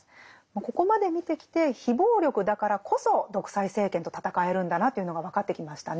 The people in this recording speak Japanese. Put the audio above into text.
ここまで見てきて非暴力だからこそ独裁政権と闘えるんだなというのが分かってきましたね。